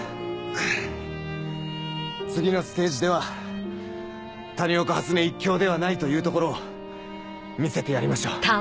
次のステージでは谷岡初音一強ではないというところを見せてやりましょう。